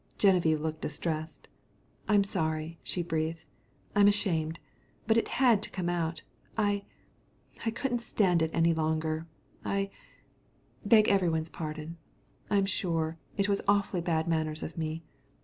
Genevieve looked distressed. "I'm sorry," she breathed, "I'm ashamed, but it had to come out. I I couldn't stand it any longer. I beg everybody's pardon. I'm sure, it was awfully bad manners of me.